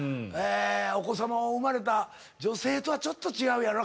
お子さまを産まれた女性とはちょっと違うやろな感性がな。